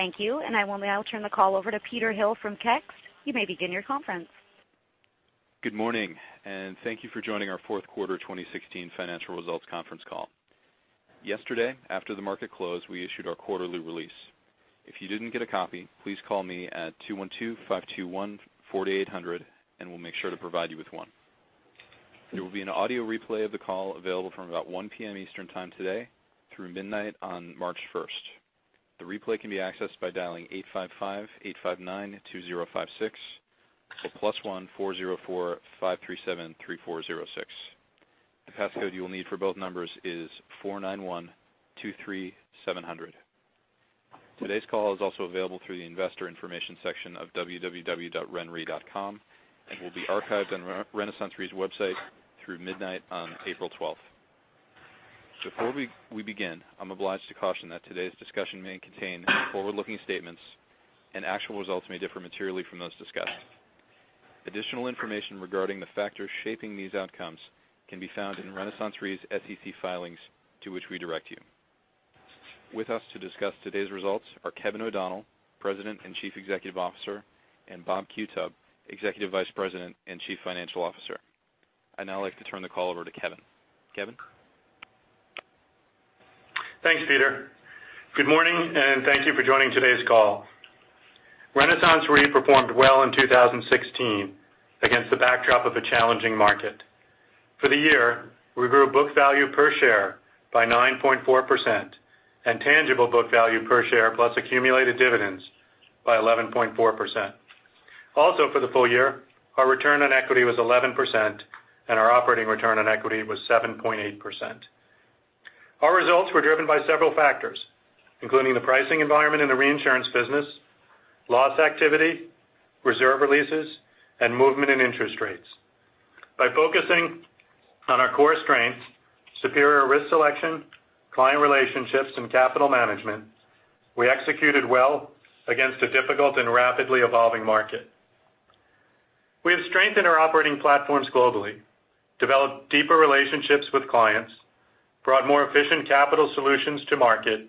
Thank you. I will now turn the call over to Peter Hill from Kekst CNC. You may begin your conference. Good morning, and thank you for joining our fourth quarter 2016 financial results conference call. Yesterday, after the market closed, we issued our quarterly release. If you didn't get a copy, please call me at 212-521-4800 and we'll make sure to provide you with one. There will be an audio replay of the call available from about 1:00 P.M. Eastern Time today through midnight on March 1st. The replay can be accessed by dialing 855-859-2056 or +1 404-537-3406. The passcode you will need for both numbers is 49123700. Today's call is also available through the investor information section of www.renre.com and will be archived on RenaissanceRe's website through midnight on April 12th. Before we begin, I'm obliged to caution that today's discussion may contain forward-looking statements and actual results may differ materially from those discussed. Additional information regarding the factors shaping these outcomes can be found in RenaissanceRe's SEC filings, to which we direct you. With us to discuss today's results are Kevin O'Donnell, President and Chief Executive Officer, and Bob Qutub, Executive Vice President and Chief Financial Officer. I'd now like to turn the call over to Kevin. Kevin? Thanks, Peter. Good morning, and thank you for joining today's call. RenaissanceRe performed well in 2016 against the backdrop of a challenging market. For the year, we grew book value per share by 9.4% and tangible book value per share, plus accumulated dividends, by 11.4%. Also for the full year, our return on equity was 11% and our operating return on equity was 7.8%. Our results were driven by several factors, including the pricing environment in the reinsurance business, loss activity, reserve releases, and movement in interest rates. By focusing on our core strengths, superior risk selection, client relationships, and capital management, we executed well against a difficult and rapidly evolving market. We have strengthened our operating platforms globally, developed deeper relationships with clients, brought more efficient capital solutions to market,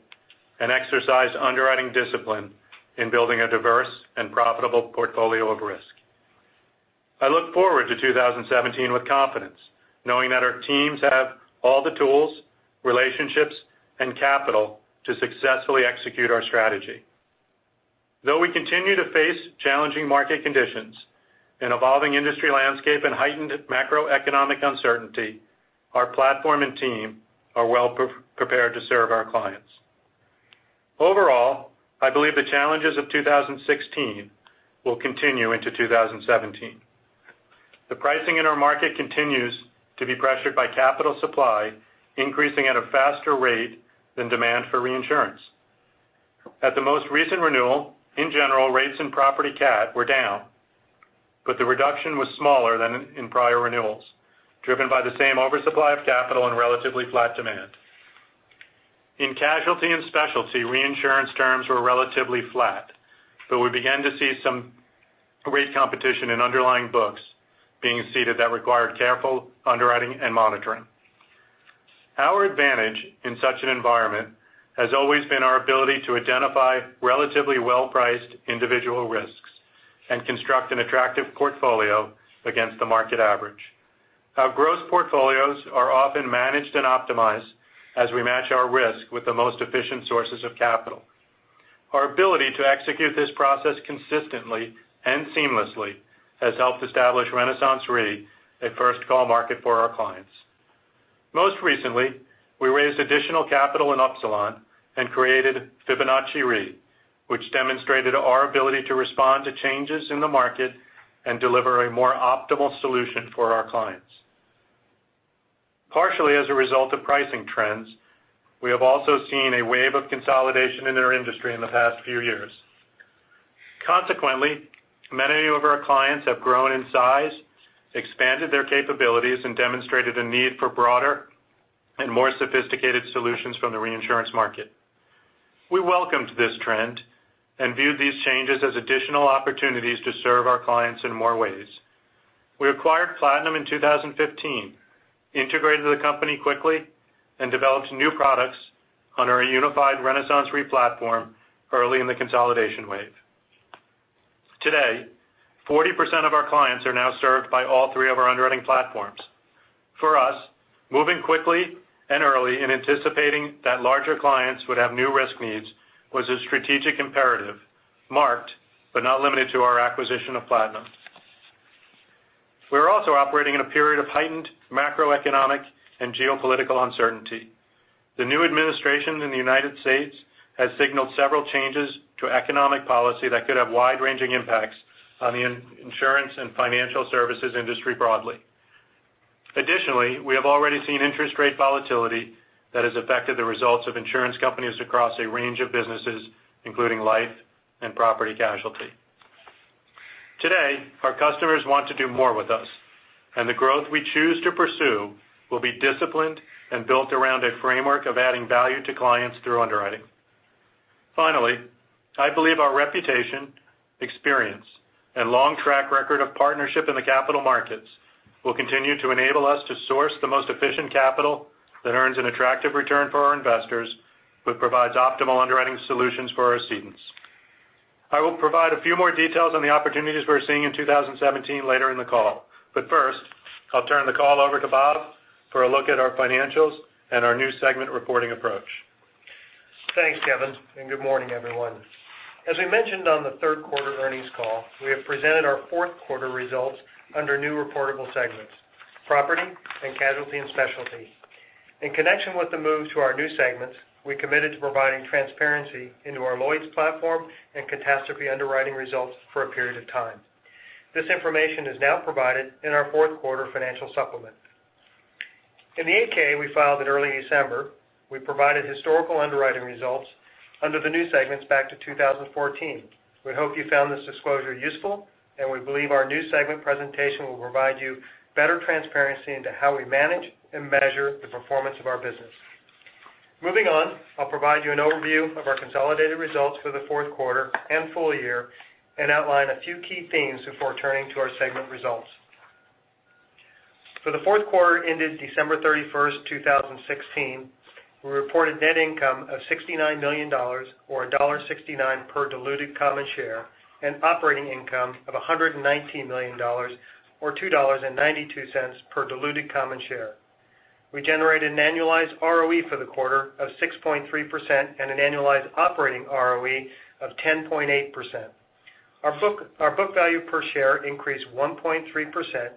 and exercised underwriting discipline in building a diverse and profitable portfolio of risk. I look forward to 2017 with confidence, knowing that our teams have all the tools, relationships, and capital to successfully execute our strategy. Though we continue to face challenging market conditions, an evolving industry landscape, and heightened macroeconomic uncertainty, our platform and team are well prepared to serve our clients. Overall, I believe the challenges of 2016 will continue into 2017. The pricing in our market continues to be pressured by capital supply increasing at a faster rate than demand for reinsurance. At the most recent renewal, in general, rates in property cat were down, but the reduction was smaller than in prior renewals, driven by the same oversupply of capital and relatively flat demand. In casualty and specialty, reinsurance terms were relatively flat, but we began to see some rate competition in underlying books being ceded that required careful underwriting and monitoring. Our advantage in such an environment has always been our ability to identify relatively well-priced individual risks and construct an attractive portfolio against the market average. Our gross portfolios are often managed and optimized as we match our risk with the most efficient sources of capital. Our ability to execute this process consistently and seamlessly has helped establish RenaissanceRe a first-call market for our clients. Most recently, we raised additional capital in Upsilon and created Fibonacci Re, which demonstrated our ability to respond to changes in the market and deliver a more optimal solution for our clients. Partially as a result of pricing trends, we have also seen a wave of consolidation in our industry in the past few years. Consequently, many of our clients have grown in size, expanded their capabilities, and demonstrated a need for broader and more sophisticated solutions from the reinsurance market. We welcomed this trend and viewed these changes as additional opportunities to serve our clients in more ways. We acquired Platinum in 2015, integrated the company quickly, and developed new products under a unified RenaissanceRe platform early in the consolidation wave. Today, 40% of our clients are now served by all three of our underwriting platforms. For us, moving quickly and early in anticipating that larger clients would have new risk needs was a strategic imperative, marked but not limited to our acquisition of Platinum. We are also operating in a period of heightened macroeconomic and geopolitical uncertainty. The new administration in the United States has signaled several changes to economic policy that could have wide-ranging impacts on the insurance and financial services industry broadly. Additionally, we have already seen interest rate volatility that has affected the results of insurance companies across a range of businesses, including life and property casualty. Today, our customers want to do more with us, and the growth we choose to pursue will be disciplined and built around a framework of adding value to clients through underwriting. Finally, I believe our reputation, experience, and long track record of partnership in the capital markets will continue to enable us to source the most efficient capital that earns an attractive return for our investors, but provides optimal underwriting solutions for our cedents. I will provide a few more details on the opportunities we're seeing in 2017 later in the call. First, I'll turn the call over to Bob for a look at our financials and our new segment reporting approach. Thanks, Kevin, and good morning, everyone. As we mentioned on the third quarter earnings call, we have presented our fourth quarter results under new reportable segments, Property and Casualty and Specialty. In connection with the move to our new segments, we committed to providing transparency into our Lloyd's platform and catastrophe underwriting results for a period of time. This information is now provided in our fourth quarter financial supplement. In the 8-K we filed in early December, we provided historical underwriting results under the new segments back to 2014. We hope you found this disclosure useful, and we believe our new segment presentation will provide you better transparency into how we manage and measure the performance of our business. I'll provide you an overview of our consolidated results for the fourth quarter and full year and outline a few key themes before turning to our segment results. For the fourth quarter ended December 31st, 2016, we reported net income of $69 million, or $1.69 per diluted common share, and operating income of $119 million, or $2.92 per diluted common share. We generated an annualized ROE for the quarter of 6.3% and an annualized operating ROE of 10.8%. Our book value per share increased 1.3%,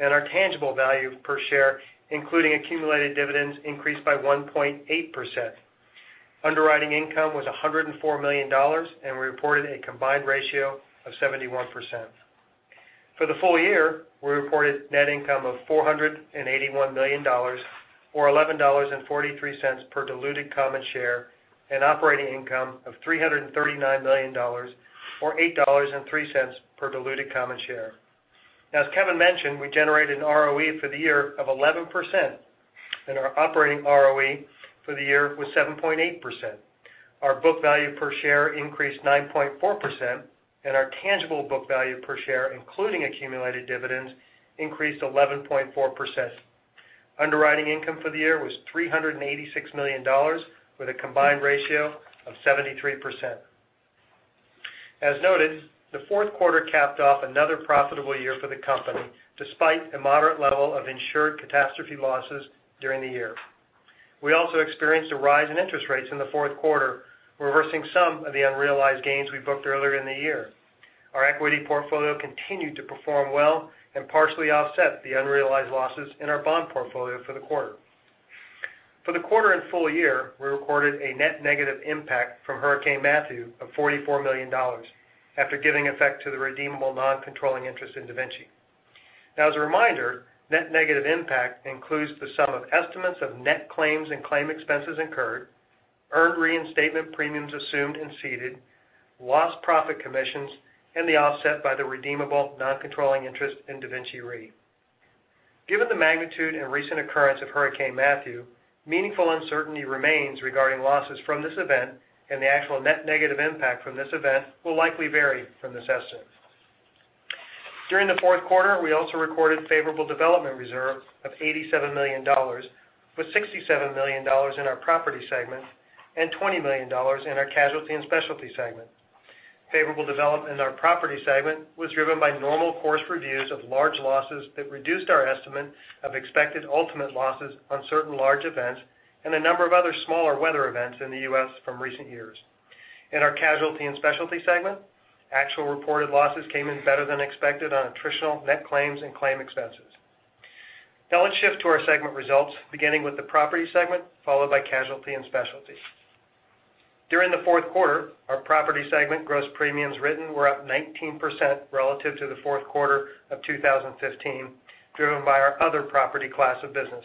and our tangible value per share, including accumulated dividends, increased by 1.8%. Underwriting income was $104 million, and we reported a combined ratio of 71%. For the full year, we reported net income of $481 million, or $11.43 per diluted common share, and operating income of $339 million, or $8.03 per diluted common share. As Kevin mentioned, we generated an ROE for the year of 11%, and our operating ROE for the year was 7.8%. Our book value per share increased 9.4%, and our tangible book value per share, including accumulated dividends, increased 11.4%. Underwriting income for the year was $386 million, with a combined ratio of 73%. As noted, the fourth quarter capped off another profitable year for the company, despite a moderate level of insured catastrophe losses during the year. We also experienced a rise in interest rates in the fourth quarter, reversing some of the unrealized gains we booked earlier in the year. Our equity portfolio continued to perform well and partially offset the unrealized losses in our bond portfolio for the quarter. For the quarter and full year, we recorded a net negative impact from Hurricane Matthew of $44 million after giving effect to the redeemable non-controlling interest in DaVinci. As a reminder, net negative impact includes the sum of estimates of net claims and claim expenses incurred, earned reinstatement premiums assumed and ceded, lost profit commissions, and the offset by the redeemable non-controlling interest in DaVinci Re. Given the magnitude and recent occurrence of Hurricane Matthew, meaningful uncertainty remains regarding losses from this event, and the actual net negative impact from this event will likely vary from this estimate. During the fourth quarter, we also recorded favorable development reserve of $87 million, with $67 million in our Property segment and $20 million in our Casualty and Specialty segment. Favorable development in our Property segment was driven by normal course reviews of large losses that reduced our estimate of expected ultimate losses on certain large events and a number of other smaller weather events in the U.S. from recent years. In our casualty and specialty segment, actual reported losses came in better than expected on attritional net claims and claim expenses. Let's shift to our segment results, beginning with the property segment, followed by casualty and specialty. During the fourth quarter, our property segment gross premiums written were up 19% relative to the fourth quarter of 2015, driven by our other property class of business.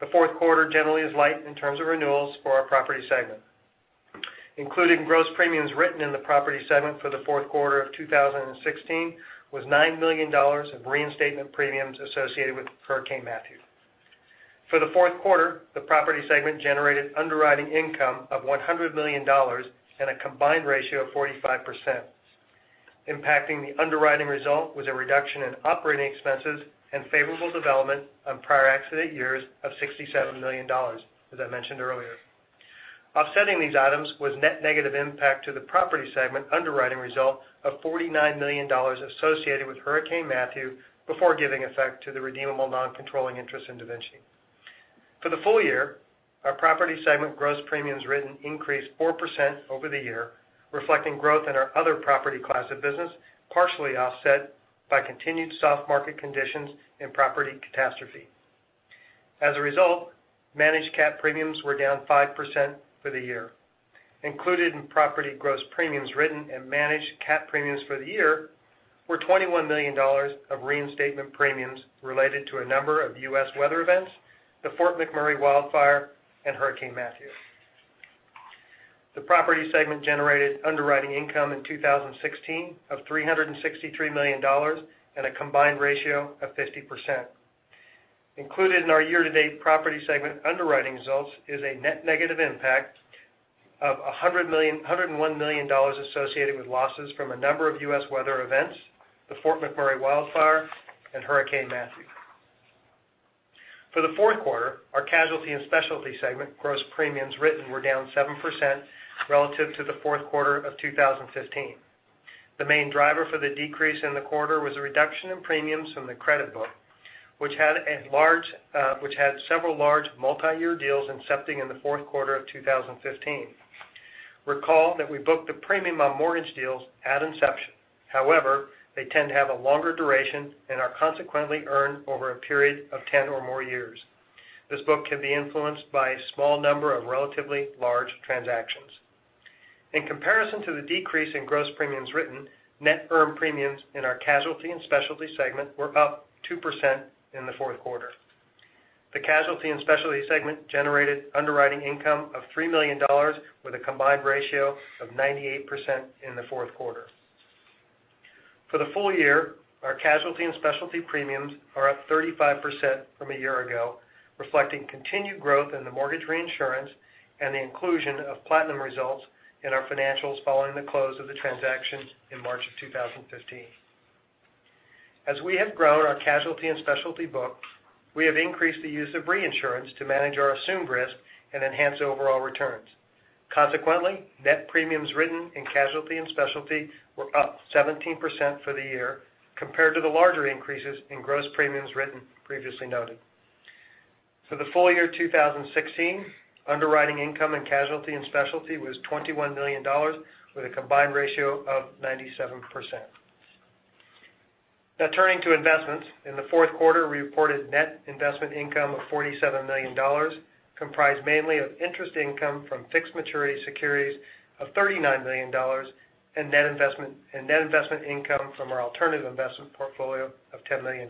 The fourth quarter generally is light in terms of renewals for our property segment. Included in gross premiums written in the property segment for the fourth quarter of 2016 was $9 million of reinstatement premiums associated with Hurricane Matthew. For the fourth quarter, the property segment generated underwriting income of $100 million and a combined ratio of 45%. Impacting the underwriting result was a reduction in operating expenses and favorable development on prior accident years of $67 million, as I mentioned earlier. Offsetting these items was net negative impact to the property segment underwriting result of $49 million associated with Hurricane Matthew before giving effect to the redeemable non-controlling interest in DaVinci. For the full year, our property segment gross premiums written increased 4% over the year, reflecting growth in our other property class of business, partially offset by continued soft market conditions in property catastrophe. As a result, managed cat premiums were down 5% for the year. Included in property gross premiums written and managed cat premiums for the year were $21 million of reinstatement premiums related to a number of U.S. weather events, the Fort McMurray wildfire, and Hurricane Matthew. The property segment generated underwriting income in 2016 of $363 million and a combined ratio of 50%. Included in our year-to-date property segment underwriting results is a net negative impact of $101 million associated with losses from a number of U.S. weather events, the Fort McMurray wildfire, and Hurricane Matthew. For the fourth quarter, our casualty and specialty segment gross premiums written were down 7% relative to the fourth quarter of 2015. The main driver for the decrease in the quarter was a reduction in premiums from the credit book, which had several large multi-year deals incepting in the fourth quarter of 2015. Recall that we booked the premium on mortgage deals at inception. However, they tend to have a longer duration and are consequently earned over a period of 10 or more years. This book can be influenced by a small number of relatively large transactions. In comparison to the decrease in gross premiums written, net earned premiums in our casualty and specialty segment were up 2% in the fourth quarter. The casualty and specialty segment generated underwriting income of $3 million with a combined ratio of 98% in the fourth quarter. For the full year, our casualty and specialty premiums are up 35% from a year ago, reflecting continued growth in the mortgage reinsurance and the inclusion of Platinum results in our financials following the close of the transaction in March of 2015. As we have grown our casualty and specialty book, we have increased the use of reinsurance to manage our assumed risk and enhance overall returns. Consequently, net premiums written in casualty and specialty were up 17% for the year compared to the larger increases in gross premiums written previously noted. For the full year 2016, underwriting income and casualty and specialty was $21 million with a combined ratio of 97%. Turning to investments. In the fourth quarter, we reported net investment income of $47 million, comprised mainly of interest income from fixed maturity securities of $39 million and net investment income from our alternative investment portfolio of $10 million.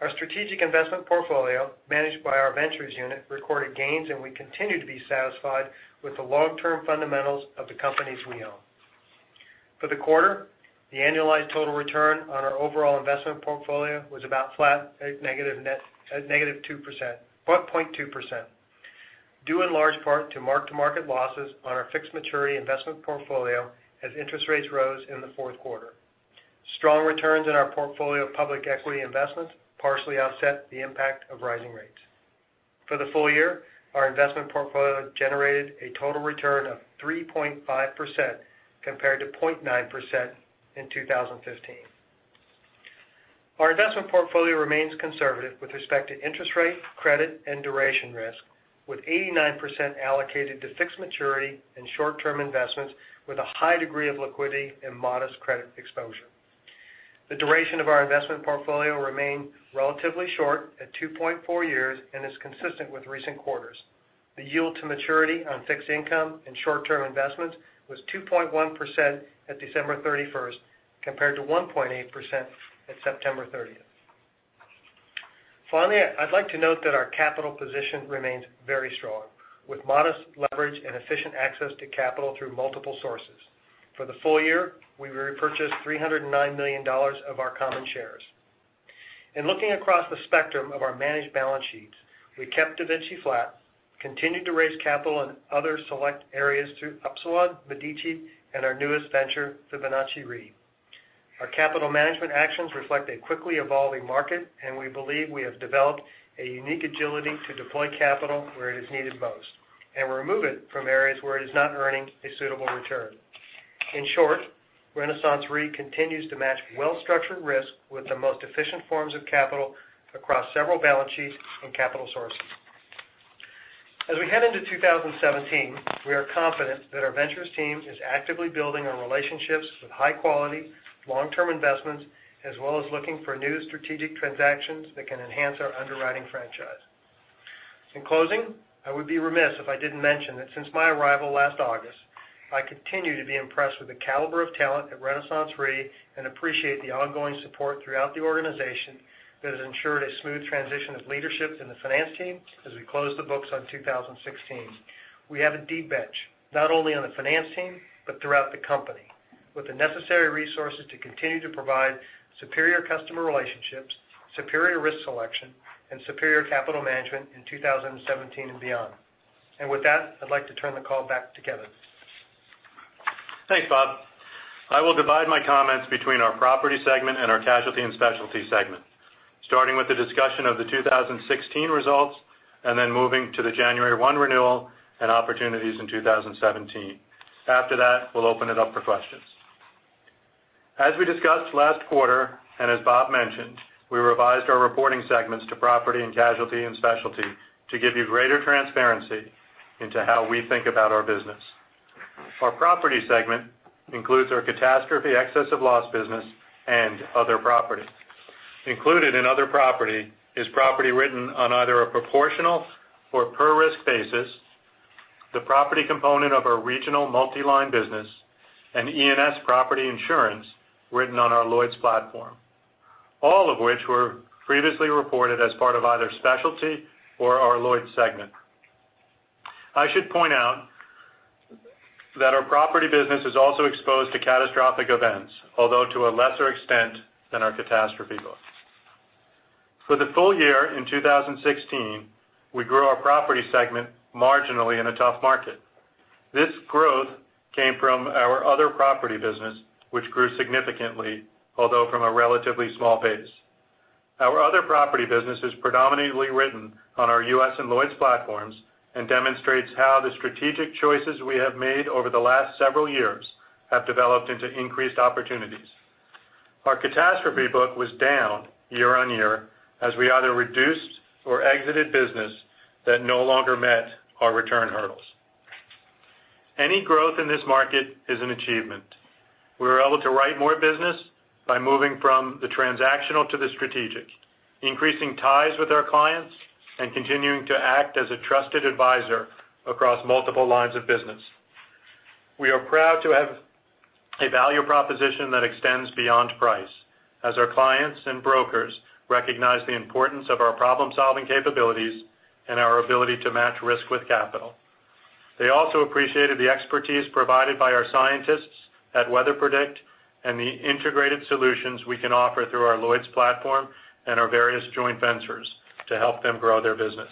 Our strategic investment portfolio, managed by our ventures unit, recorded gains, and we continue to be satisfied with the long-term fundamentals of the companies we own. For the quarter, the annualized total return on our overall investment portfolio was about flat at negative 0.2%, due in large part to mark-to-market losses on our fixed maturity investment portfolio as interest rates rose in the fourth quarter. Strong returns in our portfolio of public equity investments partially offset the impact of rising rates. For the full year, our investment portfolio generated a total return of 3.5% compared to 0.9% in 2015. Our investment portfolio remains conservative with respect to interest rate, credit, and duration risk, with 89% allocated to fixed maturity and short-term investments with a high degree of liquidity and modest credit exposure. The duration of our investment portfolio remained relatively short at 2.4 years and is consistent with recent quarters. The yield to maturity on fixed income and short-term investments was 2.1% at December 31st compared to 1.8% at September 30th. I'd like to note that our capital position remains very strong with modest leverage and efficient access to capital through multiple sources. For the full year, we repurchased $309 million of our common shares. In looking across the spectrum of our managed balance sheets, we kept DaVinci flat, continued to raise capital in other select areas through Upsilon, Medici, and our newest venture, Fibonacci Re. Our capital management actions reflect a quickly evolving market, and we believe we have developed a unique agility to deploy capital where it is needed most and remove it from areas where it is not earning a suitable return. In short, RenaissanceRe continues to match well-structured risk with the most efficient forms of capital across several balance sheets and capital sources. As we head into 2017, we are confident that our ventures team is actively building on relationships with high-quality, long-term investments, as well as looking for new strategic transactions that can enhance our underwriting franchise. In closing, I would be remiss if I didn't mention that since my arrival last August, I continue to be impressed with the caliber of talent at RenaissanceRe and appreciate the ongoing support throughout the organization that has ensured a smooth transition of leadership in the finance team as we close the books on 2016. We have a deep bench, not only on the finance team, but throughout the company, with the necessary resources to continue to provide superior customer relationships, superior risk selection, and superior capital management in 2017 and beyond. With that, I'd like to turn the call back to Kevin. Thanks, Bob. I will divide my comments between our property segment and our casualty and specialty segment, starting with the discussion of the 2016 results, then moving to the January 1 renewal and opportunities in 2017. After that, we'll open it up for questions. As we discussed last quarter, and as Bob mentioned, we revised our reporting segments to property and casualty and specialty to give you greater transparency into how we think about our business. Our property segment includes our catastrophe excess of loss business and other property. Included in other property is property written on either a proportional or per-risk basis, the property component of our regional multi-line business, and E&S property insurance written on our Lloyd's platform, all of which were previously reported as part of either specialty or our Lloyd's segment. I should point out that our property business is also exposed to catastrophic events, although to a lesser extent than our catastrophe book. For the full year in 2016, we grew our property segment marginally in a tough market. This growth came from our other property business, which grew significantly, although from a relatively small base. Our other property business is predominantly written on our U.S. and Lloyd's platforms and demonstrates how the strategic choices we have made over the last several years have developed into increased opportunities. Our catastrophe book was down year-over-year as we either reduced or exited business that no longer met our return hurdles. Any growth in this market is an achievement. We were able to write more business by moving from the transactional to the strategic, increasing ties with our clients, and continuing to act as a trusted advisor across multiple lines of business. We are proud to have a value proposition that extends beyond price as our clients and brokers recognize the importance of our problem-solving capabilities and our ability to match risk with capital. They also appreciated the expertise provided by our scientists at WeatherPredict and the integrated solutions we can offer through our Lloyd's platform and our various joint ventures to help them grow their business.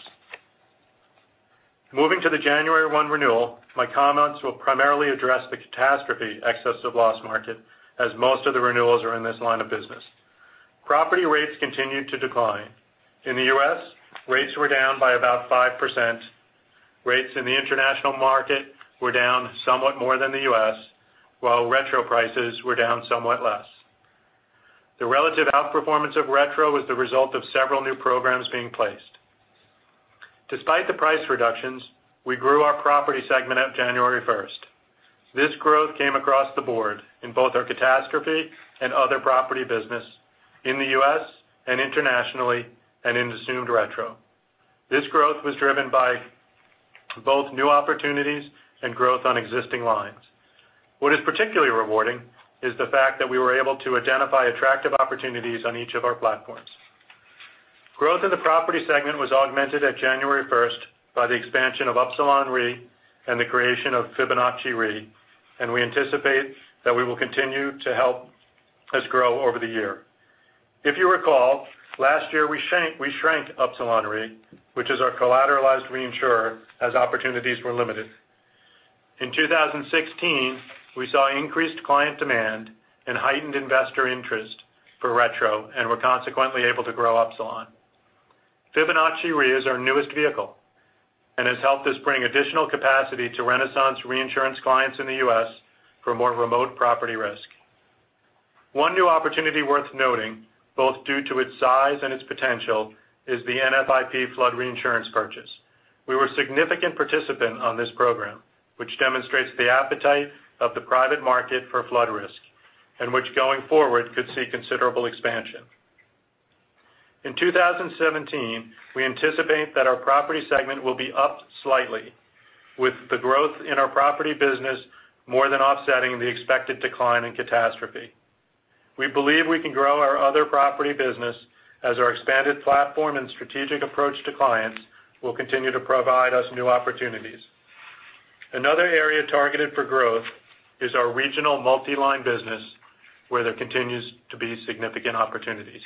Moving to the January 1 renewal, my comments will primarily address the catastrophe excess of loss market, as most of the renewals are in this line of business. Property rates continued to decline. In the U.S., rates were down by about 5%. Rates in the international market were down somewhat more than the U.S., while retro prices were down somewhat less. The relative outperformance of retro was the result of several new programs being placed. Despite the price reductions, we grew our property segment at January 1st. This growth came across the board in both our catastrophe and other property business in the U.S. and internationally, and in assumed retro. This growth was driven by both new opportunities and growth on existing lines. What is particularly rewarding is the fact that we were able to identify attractive opportunities on each of our platforms. Growth in the property segment was augmented at January 1st by the expansion of Upsilon Re and the creation of Fibonacci Re, we anticipate that we will continue to help us grow over the year. If you recall, last year we shrank Upsilon Re, which is our collateralized reinsurer, as opportunities were limited. In 2016, we saw increased client demand and heightened investor interest for retro and were consequently able to grow Upsilon. Fibonacci Re is our newest vehicle and has helped us bring additional capacity to Renaissance Reinsurance clients in the U.S. for more remote property risk. One new opportunity worth noting, both due to its size and its potential, is the NFIP flood reinsurance purchase. We were a significant participant on this program, which demonstrates the appetite of the private market for flood risk and which, going forward, could see considerable expansion. In 2017, we anticipate that our property segment will be up slightly with the growth in our property business more than offsetting the expected decline in catastrophe. We believe we can grow our other property business as our expanded platform and strategic approach to clients will continue to provide us new opportunities. Another area targeted for growth is our regional multi-line business where there continues to be significant opportunities.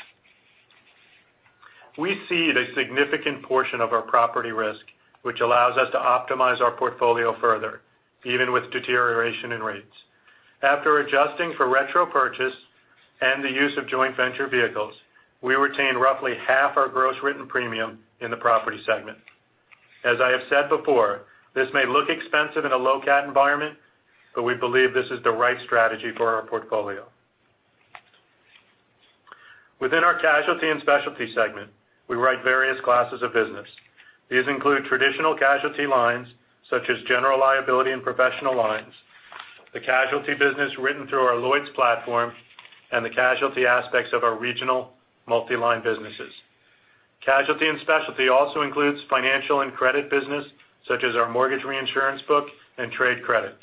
We cede a significant portion of our property risk, which allows us to optimize our portfolio further, even with deterioration in rates. After adjusting for retro purchase and the use of joint venture vehicles, we retain roughly half our gross written premium in the property segment. As I have said before, this may look expensive in a low cat environment, but we believe this is the right strategy for our portfolio. Within our casualty and specialty segment, we write various classes of business. These include traditional casualty lines such as general liability and professional lines, the casualty business written through our Lloyd's platform, and the casualty aspects of our regional multi-line businesses. Casualty and specialty also includes financial and credit business such as our mortgage reinsurance book and trade credit.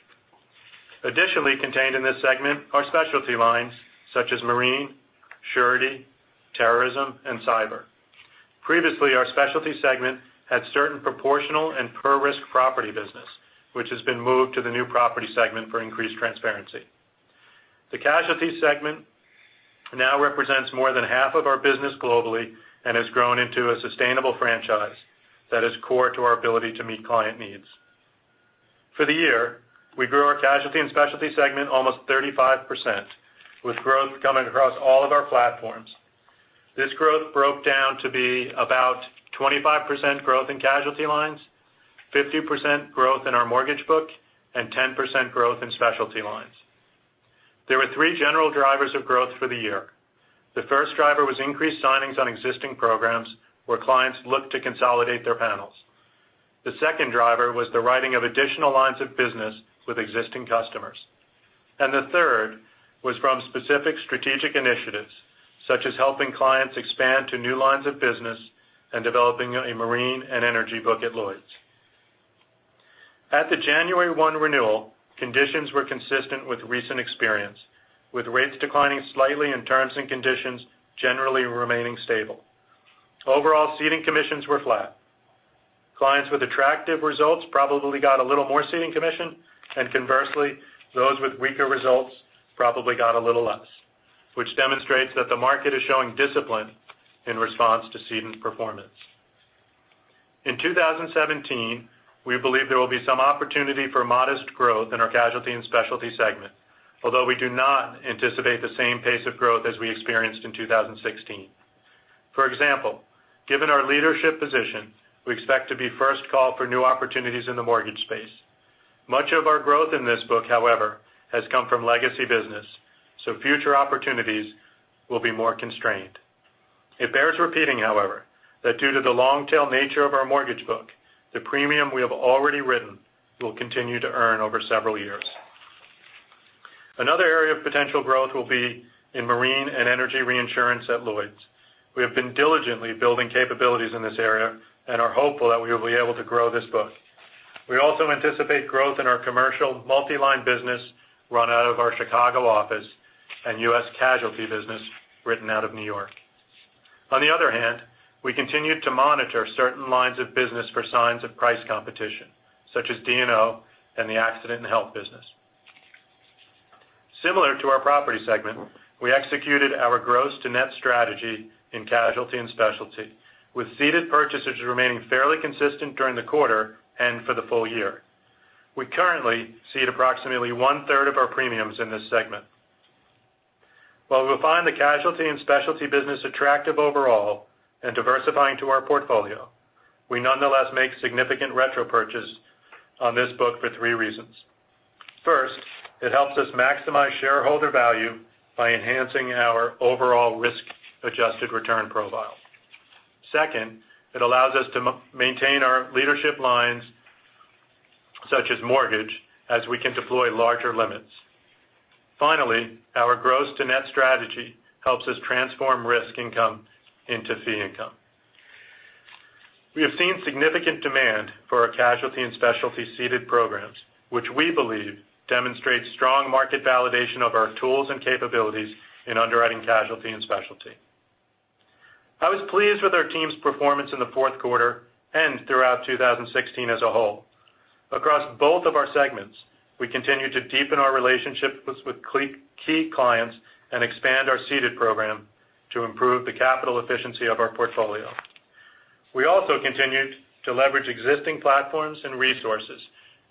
Additionally contained in this segment are specialty lines such as marine, surety, terrorism and cyber. Previously, our specialty segment had certain proportional and per risk property business, which has been moved to the new property segment for increased transparency. The casualty segment now represents more than half of our business globally and has grown into a sustainable franchise that is core to our ability to meet client needs. For the year, we grew our casualty and specialty segment almost 35%, with growth coming across all of our platforms. This growth broke down to be about 25% growth in casualty lines, 50% growth in our mortgage book, and 10% growth in specialty lines. There were three general drivers of growth for the year. The first driver was increased signings on existing programs where clients looked to consolidate their panels. The second driver was the writing of additional lines of business with existing customers. The third was from specific strategic initiatives, such as helping clients expand to new lines of business and developing a marine and energy book at Lloyd's. At the January 1 renewal, conditions were consistent with recent experience, with rates declining slightly and terms and conditions generally remaining stable. Overall, ceding commissions were flat. Clients with attractive results probably got a little more ceding commission. Conversely, those with weaker results probably got a little less, which demonstrates that the market is showing discipline in response to ceding performance. In 2017, we believe there will be some opportunity for modest growth in our Casualty and Specialty segment, although we do not anticipate the same pace of growth as we experienced in 2016. For example, given our leadership position, we expect to be first call for new opportunities in the mortgage space. Much of our growth in this book, however, has come from legacy business. Future opportunities will be more constrained. It bears repeating, however, that due to the long-tail nature of our mortgage book, the premium we have already written will continue to earn over several years. Another area of potential growth will be in marine and energy reinsurance at Lloyd's. We have been diligently building capabilities in this area. We are hopeful that we will be able to grow this book. We also anticipate growth in our commercial multi-line business run out of our Chicago office and U.S. casualty business written out of New York. On the other hand, we continue to monitor certain lines of business for signs of price competition, such as D&O and the accident and health business. Similar to our property segment, we executed our gross to net strategy in Casualty and Specialty, with ceded purchases remaining fairly consistent during the quarter and for the full year. We currently cede approximately one-third of our premiums in this segment. While we find the Casualty and Specialty business attractive overall and diversifying to our portfolio, we nonetheless make significant retro purchase on this book for three reasons. First, it helps us maximize shareholder value by enhancing our overall risk-adjusted return profile. Second, it allows us to maintain our leadership lines, such as mortgage, as we can deploy larger limits. Finally, our gross to net strategy helps us transform risk income into fee income. We have seen significant demand for our Casualty and Specialty ceded programs, which we believe demonstrates strong market validation of our tools and capabilities in underwriting Casualty and Specialty. I was pleased with our team's performance in the fourth quarter and throughout 2016 as a whole. Across both of our segments, we continue to deepen our relationships with key clients and expand our ceded program to improve the capital efficiency of our portfolio. We also continued to leverage existing platforms and resources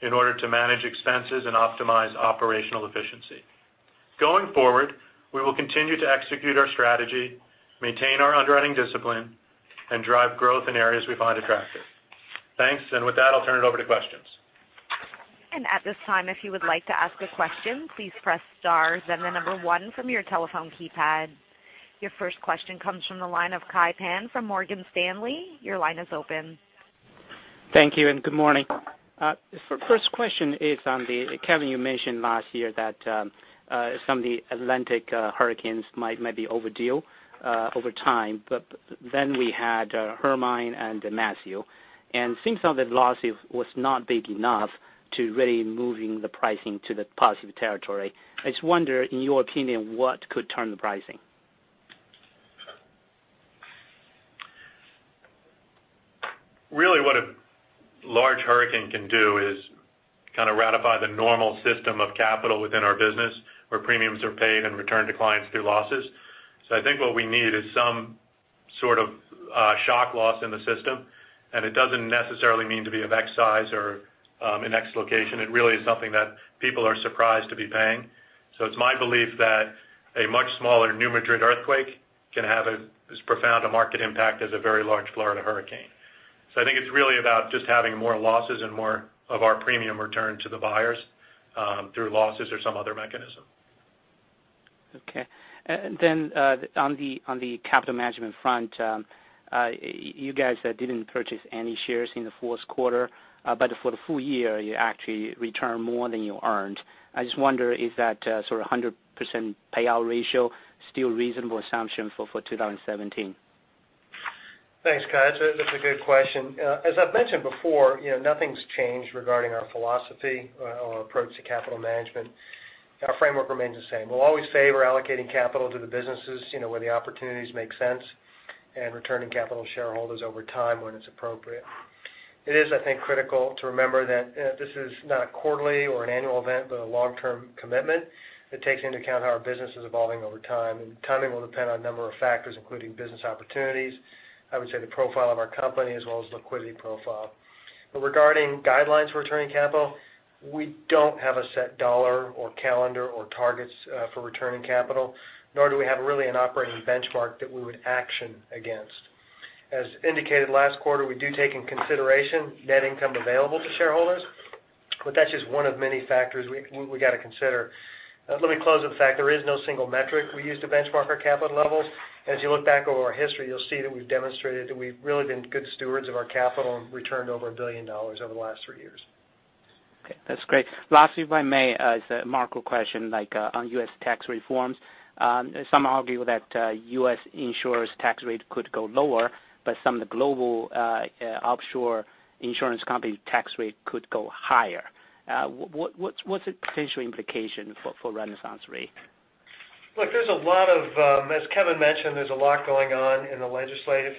in order to manage expenses and optimize operational efficiency. Going forward, we will continue to execute our strategy, maintain our underwriting discipline, and drive growth in areas we find attractive. Thanks. With that, I'll turn it over to questions. At this time, if you would like to ask a question, please press star, then 1 from your telephone keypad. Your first question comes from the line of Kai Pan from Morgan Stanley. Your line is open. Thank you. Good morning. First question is on the, Kevin, you mentioned last year that some of the Atlantic hurricanes might be overdue over time, we had Hurricane Hermine and Hurricane Matthew, and it seems now that loss was not big enough to really moving the pricing to the positive territory. I just wonder, in your opinion, what could turn the pricing? What a large hurricane can do is kind of ratify the normal system of capital within our business where premiums are paid and returned to clients through losses. I think what we need is some sort of shock loss in the system, it doesn't necessarily need to be of X size or in X location. It really is something that people are surprised to be paying. It's my belief that a much smaller New Madrid Earthquake can have as profound a market impact as a very large Florida hurricane. I think it's really about just having more losses and more of our premium returned to the buyers through losses or some other mechanism. Okay. On the capital management front, you guys didn't purchase any shares in the fourth quarter, for the full year, you actually returned more than you earned. I just wonder, is that sort of 100% payout ratio still reasonable assumption for 2017? Thanks, Kai. That's a good question. As I've mentioned before, nothing's changed regarding our philosophy or approach to capital management. Our framework remains the same. We'll always say we're allocating capital to the businesses where the opportunities make sense and returning capital to shareholders over time when it's appropriate. It is, I think, critical to remember that this is not a quarterly or an annual event, but a long-term commitment that takes into account how our business is evolving over time. Timing will depend on a number of factors, including business opportunities, I would say the profile of our company, as well as liquidity profile. Regarding guidelines for returning capital, we don't have a set dollar or calendar or targets for returning capital, nor do we have really an operating benchmark that we would action against. As indicated last quarter, we do take in consideration net income available to shareholders, but that's just one of many factors we got to consider. Let me close with the fact there is no single metric we use to benchmark our capital levels. As you look back over our history, you'll see that we've demonstrated that we've really been good stewards of our capital and returned over $1 billion over the last three years. Okay, that's great. Lastly, if I may, it's a macro question on U.S. tax reforms. Some argue that U.S. insurers' tax rate could go lower, but some of the global offshore insurance companies' tax rate could go higher. What's the potential implication for RenaissanceRe? Look, as Kevin mentioned, there's a lot going on in the legislation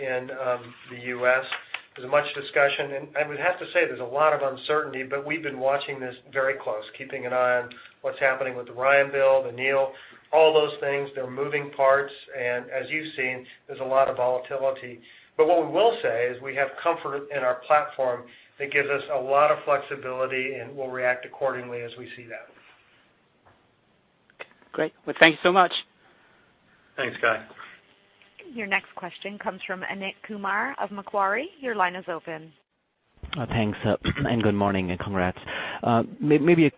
in the U.S. There's much discussion, and I would have to say there's a lot of uncertainty, but we've been watching this very close, keeping an eye on what's happening with the Ryan bill, the Neal, all those things. There are moving parts and as you've seen, there's a lot of volatility. What we will say is we have comfort in our platform that gives us a lot of flexibility, and we'll react accordingly as we see that. Great. Well, thank you so much. Thanks, Kai. Your next question comes from Amit Kumar of Macquarie. Your line is open. Thanks. Good morning and congrats. Maybe a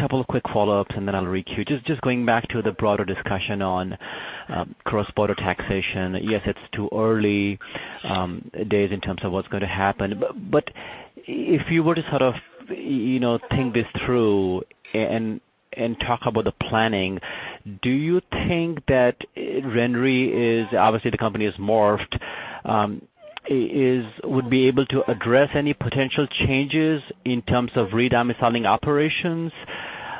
couple of quick follow-ups, then I'll re-queue. Just going back to the broader discussion on cross-border taxation. Yes, it's too early days in terms of what's going to happen. If you were to think this through and talk about the planning, do you think that RenaissanceRe is, obviously the company has morphed, would be able to address any potential changes in terms of re-domiciling operations?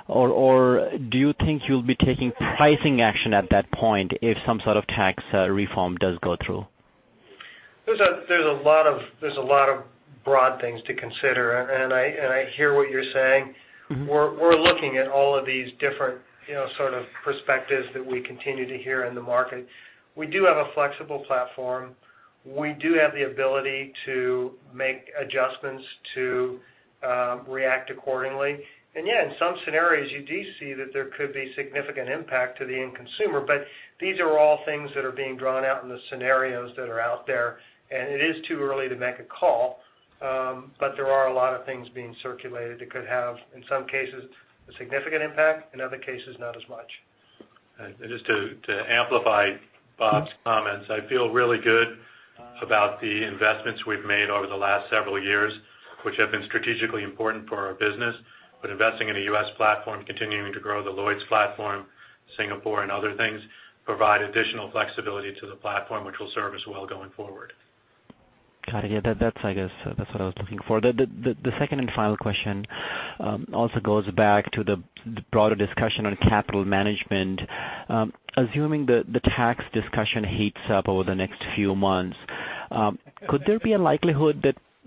Do you think you'll be taking pricing action at that point if some sort of tax reform does go through? There's a lot of broad things to consider. I hear what you're saying. We're looking at all of these different perspectives that we continue to hear in the market. We do have a flexible platform. We do have the ability to make adjustments to react accordingly. Yeah, in some scenarios, you do see that there could be significant impact to the end consumer, these are all things that are being drawn out in the scenarios that are out there, and it is too early to make a call. There are a lot of things being circulated that could have, in some cases, a significant impact. In other cases, not as much. Just to amplify Bob's comments, I feel really good about the investments we've made over the last several years, which have been strategically important for our business. Investing in a U.S. platform, continuing to grow the Lloyd's platform, Singapore and other things, provide additional flexibility to the platform, which will serve us well going forward. Got it. Yeah, that's what I was looking for. The second and final question also goes back to the broader discussion on capital management. Assuming the tax discussion heats up over the next few months, could there be a likelihood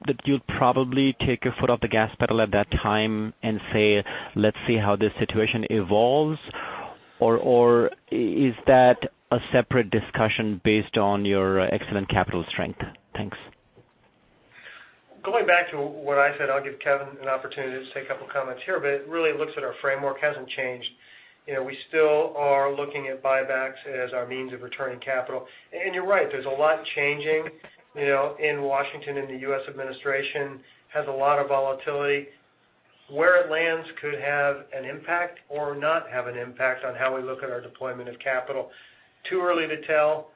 that you'd probably take your foot off the gas pedal at that time and say, "Let's see how this situation evolves"? Is that a separate discussion based on your excellent capital strength? Thanks. Going back to what I said, I'll give Kevin an opportunity to say a couple of comments here, but it really looks at our framework hasn't changed. We still are looking at buybacks as our means of returning capital. You're right, there's a lot changing in Washington, and the U.S. administration has a lot of volatility. Where it lands could have an impact or not have an impact on how we look at our deployment of capital. Too early to tell.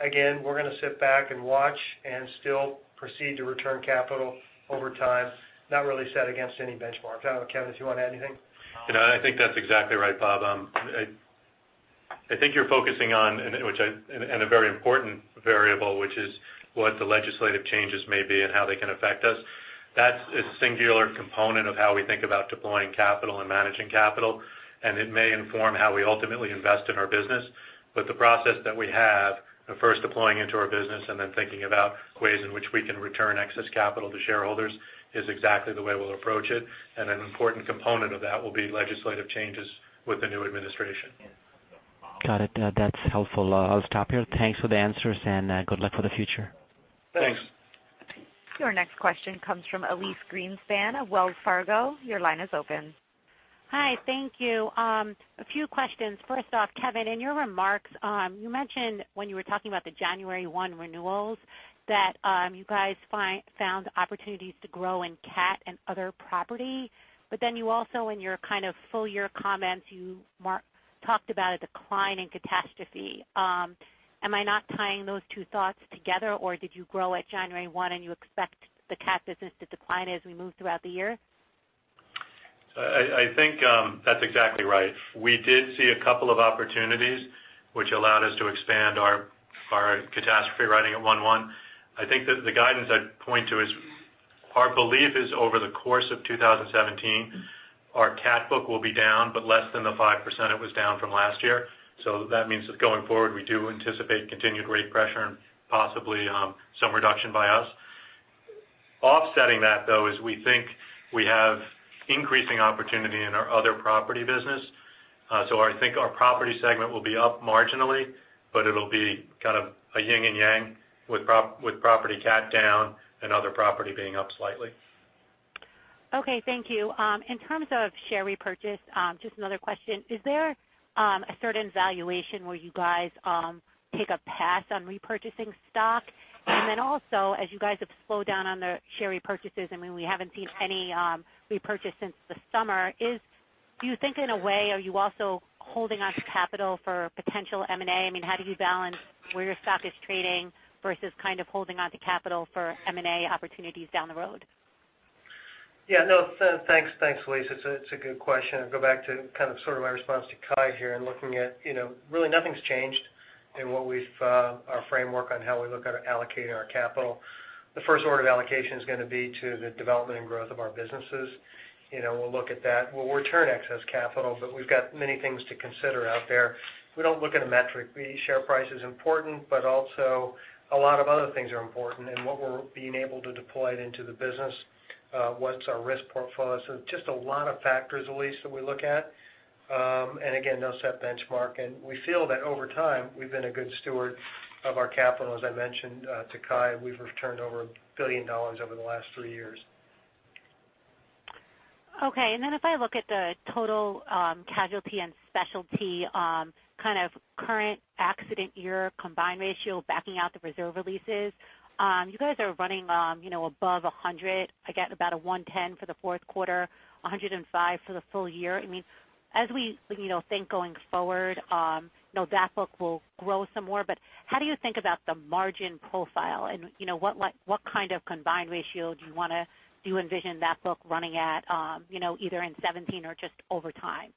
Again, we're going to sit back and watch and still proceed to return capital over time, not really set against any benchmarks. I don't know, Kevin, if you want to add anything. No, I think that's exactly right, Bob. I think you're focusing on, and a very important variable, which is what the legislative changes may be and how they can affect us. That's a singular component of how we think about deploying capital and managing capital, and it may inform how we ultimately invest in our business. The process that we have of first deploying into our business and then thinking about ways in which we can return excess capital to shareholders is exactly the way we'll approach it. An important component of that will be legislative changes with the new administration. Got it. That's helpful. I'll stop here. Thanks for the answers, and good luck for the future. Thanks. Thanks. Your next question comes from Elyse Greenspan of Wells Fargo. Your line is open. Hi. Thank you. A few questions. First off, Kevin, in your remarks, you mentioned when you were talking about the January 1 renewals that you guys found opportunities to grow in cat and other property. You also, in your full year comments, you talked about a decline in catastrophe. Am I not tying those two thoughts together, or did you grow at January 1, and you expect the cat business to decline as we move throughout the year? I think that's exactly right. We did see a couple of opportunities which allowed us to expand our catastrophe writing at 1/1. I think that the guidance I'd point to is our belief is over the course of 2017, our cat book will be down, but less than the 5% it was down from last year. That means that going forward, we do anticipate continued rate pressure and possibly some reduction by us. Offsetting that, though, is we think we have increasing opportunity in our other property business. I think our property segment will be up marginally, but it'll be kind of a yin and yang with property cat down and other property being up slightly. Okay. Thank you. In terms of share repurchase, just another question. Is there a certain valuation where you guys take a pass on repurchasing stock? Also, as you guys have slowed down on the share repurchases, we haven't seen any repurchase since the summer. Do you think in a way, are you also holding onto capital for potential M&A? How do you balance where your stock is trading versus holding onto capital for M&A opportunities down the road? Yeah. No. Thanks, Elyse. It's a good question. I'll go back to my response to Kai here and looking at really nothing's changed in our framework on how we look at allocating our capital. The first order of allocation is going to be to the development and growth of our businesses. We'll look at that. We'll return excess capital, but we've got many things to consider out there. We don't look at a metric. The share price is important, but also a lot of other things are important, and what we're being able to deploy into the business, what's our risk portfolio. Just a lot of factors, Elyse, that we look at. Again, no set benchmark. We feel that over time, we've been a good steward of our capital. As I mentioned to Kai, we've returned over $1 billion over the last three years. If I look at the total casualty and specialty current accident year combined ratio backing out the reserve releases, you guys are running above 100%, again, about 110% for the fourth quarter, 105% for the full year. We think going forward, that book will grow some more, but how do you think about the margin profile and what kind of combined ratio do you envision that book running at either in 2017 or just over time?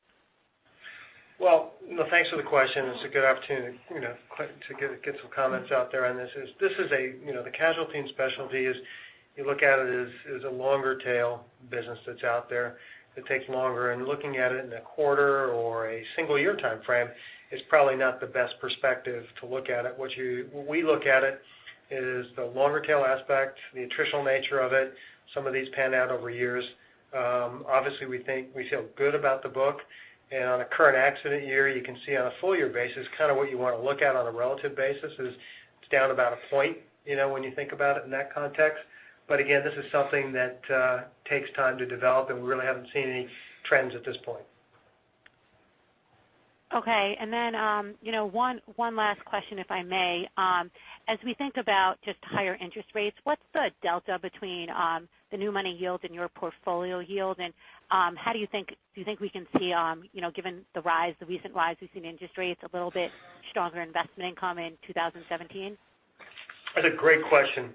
Well, thanks for the question. It's a good opportunity to get some comments out there on this. The casualty and specialty is, you look at it as a longer tail business that's out there that takes longer. Looking at it in a quarter or a single year timeframe is probably not the best perspective to look at it. What we look at it is the longer tail aspect, the attritional nature of it. Some of these pan out over years. Obviously, we feel good about the book. On a current accident year, you can see on a full year basis, what you want to look at on a relative basis is it's down about one point, when you think about it in that context. Again, this is something that takes time to develop, and we really haven't seen any trends at this point. One last question, if I may. We think about just higher interest rates, what's the delta between the new money yield and your portfolio yield? Do you think we can see, given the recent rise we've seen in interest rates, a little bit stronger investment income in 2017? That's a great question,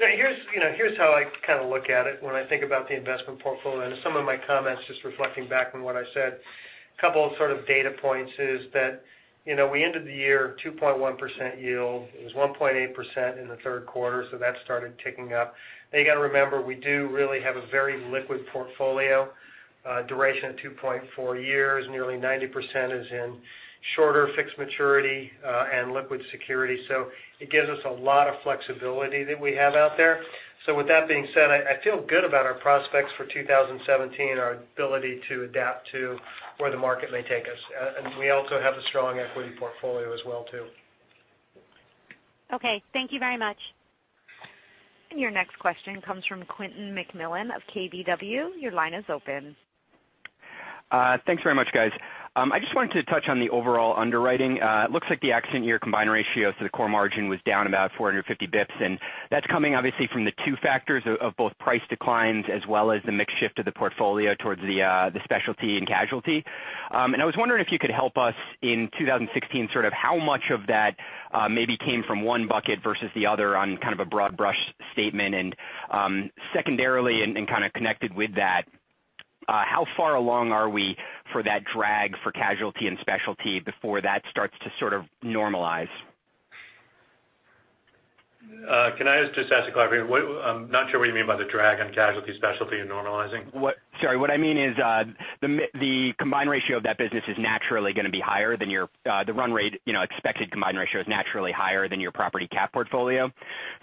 Elyse. Here's how I look at it when I think about the investment portfolio, and some of my comments just reflecting back on what I said. Couple of data points is that we ended the year 2.1% yield. It was 1.8% in the third quarter, so that started ticking up. You got to remember, we do really have a very liquid portfolio duration of 2.4 years. Nearly 90% is in shorter fixed maturity and liquid security. It gives us a lot of flexibility that we have out there. With that being said, I feel good about our prospects for 2017 and our ability to adapt to where the market may take us. We also have a strong equity portfolio as well too. Okay. Thank you very much. Your next question comes from Quentin McMillan of KBW. Your line is open. Thanks very much, guys. I just wanted to touch on the overall underwriting. It looks like the accident year combined ratio to the core margin was down about 450 basis points, that's coming obviously from the two factors of both price declines as well as the mix shift of the portfolio towards the specialty and casualty. I was wondering if you could help us in 2016, how much of that maybe came from one bucket versus the other on a broad brush statement. Secondarily, and kind of connected with that, how far along are we for that drag for casualty and specialty before that starts to normalize? Can I just ask to clarify? I'm not sure what you mean by the drag on casualty specialty and normalizing. Sorry, what I mean is the combined ratio of that business is naturally going to be higher than the run rate expected combined ratio is naturally higher than your property cat portfolio.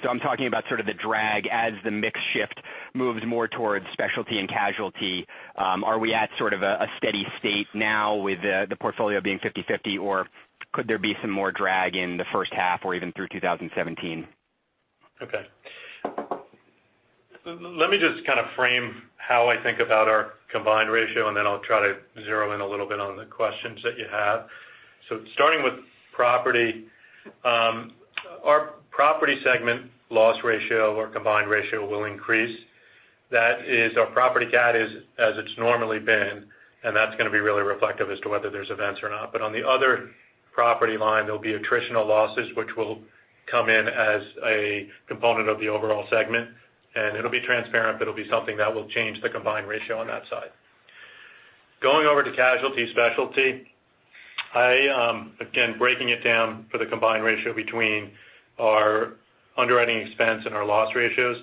I'm talking about the drag as the mix shift moves more towards specialty and casualty. Are we at a steady state now with the portfolio being 50/50, or could there be some more drag in the first half or even through 2017? Okay. Let me just frame how I think about our combined ratio, and then I'll try to zero in a little bit on the questions that you have. Starting with property. Our property segment loss ratio or combined ratio will increase. That is our property cat as it's normally been, and that's going to be really reflective as to whether there's events or not. On the other property line, there'll be attritional losses which will come in as a component of the overall segment, and it'll be transparent, but it'll be something that will change the combined ratio on that side. Going over to casualty specialty, again, breaking it down for the combined ratio between our underwriting expense and our loss ratios.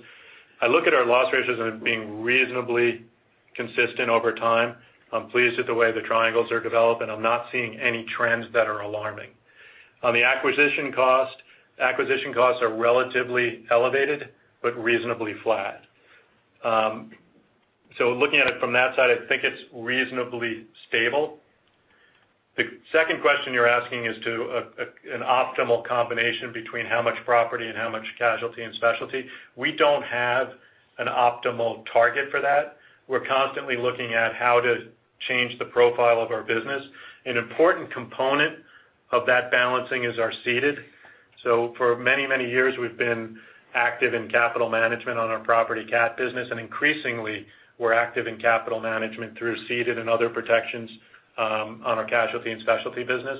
I look at our loss ratios as being reasonably consistent over time. I'm pleased with the way the triangles are developing. I'm not seeing any trends that are alarming. On the acquisition cost, acquisition costs are relatively elevated but reasonably flat. Looking at it from that side, I think it's reasonably stable. The second question you're asking is to an optimal combination between how much property and how much casualty and specialty. We don't have an optimal target for that. We're constantly looking at how to change the profile of our business. An important component of that balancing is our ceded. For many years, we've been active in capital management on our property cat business, and increasingly we're active in capital management through ceded and other protections on our casualty and specialty business.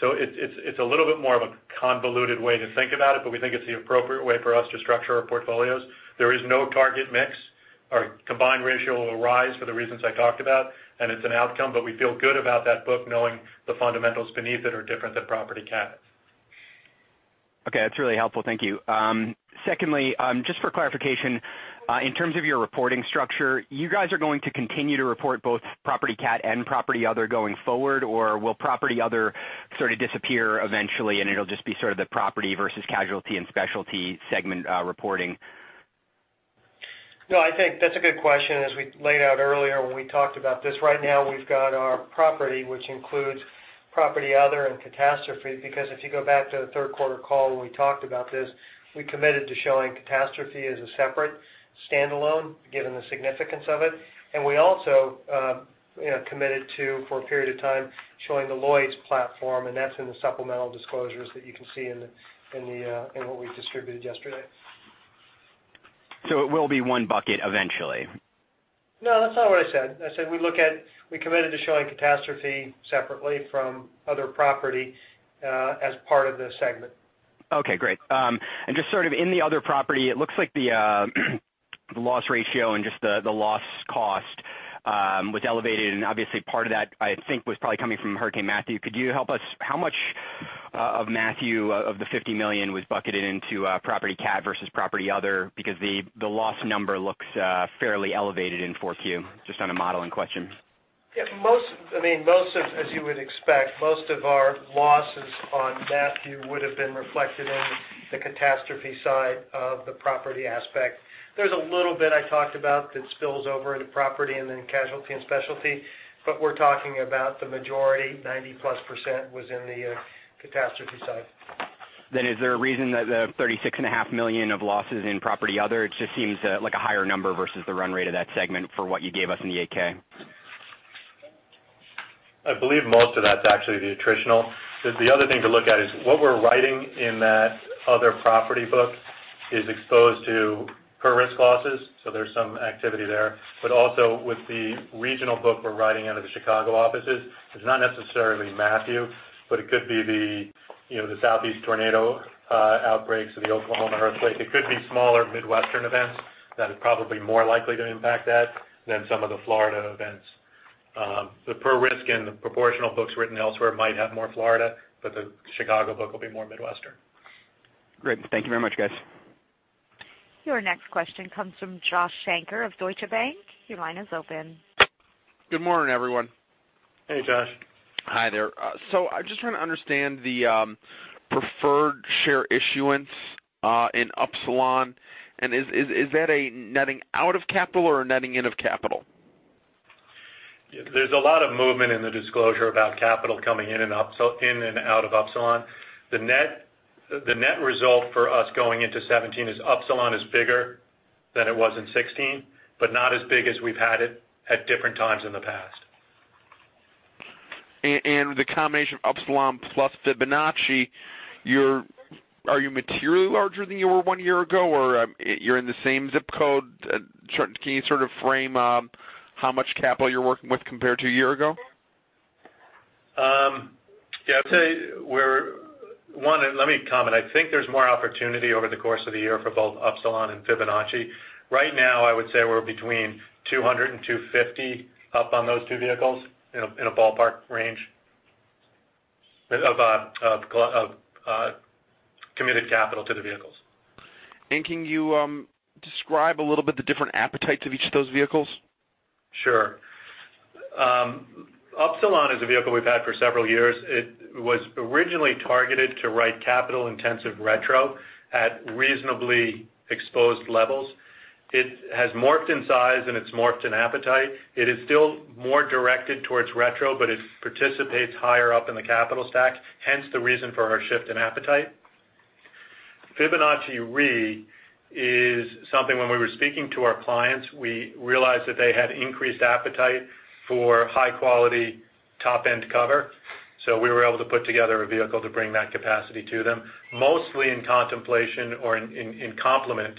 It's a little bit more of a convoluted way to think about it, but we think it's the appropriate way for us to structure our portfolios. There is no target mix. Our combined ratio will rise for the reasons I talked about, and it's an outcome, but we feel good about that book knowing the fundamentals beneath it are different than property cat. Okay, that's really helpful. Thank you. Secondly, just for clarification, in terms of your reporting structure, you guys are going to continue to report both property cat and property other going forward, or will property other sort of disappear eventually, and it'll just be sort of the property versus casualty and specialty segment reporting? No, I think that's a good question. As we laid out earlier when we talked about this, right now we've got our property, which includes property other and catastrophe. If you go back to the third quarter call when we talked about this, we committed to showing catastrophe as a separate standalone, given the significance of it. We also committed to, for a period of time, showing the Lloyd's platform, and that's in the supplemental disclosures that you can see in what we distributed yesterday. It will be one bucket eventually. No, that's not what I said. I said we committed to showing catastrophe separately from other property, as part of the segment. Just sort of in the other property, it looks like the loss ratio and just the loss cost was elevated, obviously part of that, I think, was probably coming from Hurricane Matthew. Could you help us, how much of Matthew of the $50 million was bucketed into property cat versus property other? The loss number looks fairly elevated in Q4 just on a modeling question. Yeah. As you would expect, most of our losses on Matthew would've been reflected in the catastrophe side of the property aspect. There's a little bit I talked about that spills over into property and then casualty and specialty, we're talking about the majority, 90%+ was in the catastrophe side. Is there a reason that the $36.5 million of losses in property other, it just seems like a higher number versus the run rate of that segment for what you gave us in the 8-K. I believe most of that's actually the attritional. The other thing to look at is what we're writing in that other property book is exposed to per risk losses, so there's some activity there. Also with the regional book we're writing out of the Chicago offices, it's not necessarily Matthew, it could be the Southeast tornado outbreaks or the Oklahoma earthquake. It could be smaller Midwestern events that are probably more likely to impact that than some of the Florida events. The per risk and the proportional books written elsewhere might have more Florida, the Chicago book will be more Midwestern. Great. Thank you very much, guys. Your next question comes from Joshua Shanker of Deutsche Bank. Your line is open. Good morning, everyone. Hey, Josh. Hi there. I'm just trying to understand the preferred share issuance in Upsilon, is that a netting out of capital or a netting in of capital? There's a lot of movement in the disclosure about capital coming in and out of Upsilon. The net result for us going into 2017 is Upsilon is bigger than it was in 2016, but not as big as we've had it at different times in the past. The combination of Upsilon plus Fibonacci, are you materially larger than you were one year ago, or you're in the same zip code? Can you sort of frame how much capital you're working with compared to a year ago? Yeah. One, let me comment. I think there's more opportunity over the course of the year for both Upsilon and Fibonacci. Right now, I would say we're between 200 and 250 up on those two vehicles in a ballpark range of committed capital to the vehicles. Can you describe a little bit the different appetites of each of those vehicles? Sure. Upsilon is a vehicle we've had for several years. It was originally targeted to write capital-intensive retro at reasonably exposed levels. It has morphed in size, and it's morphed in appetite. It is still more directed towards retro, but it participates higher up in the capital stack, hence the reason for our shift in appetite. Fibonacci Re is something when we were speaking to our clients, we realized that they had increased appetite for high-quality top-end cover. We were able to put together a vehicle to bring that capacity to them, mostly in contemplation or in complement